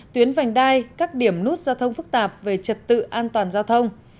tuyến vành đai các điểm nút giao thông phức tạp về trật tự an toàn giao thông